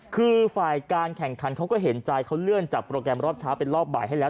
คือฝ่ายการแข่งขันเขาก็เห็นใจเขาเลื่อนจากโปรแกรมรอบเช้าเป็นรอบบ่ายให้แล้ว